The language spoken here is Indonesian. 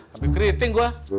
habis keriting gua